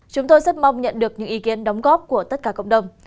chúng tôi rất mong nhận được những ý kiến đóng góp của tất cả cộng đồng